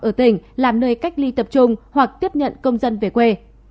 ở tỉnh làm nơi cách ly tập trung hoặc tiếp nhận công dân về quê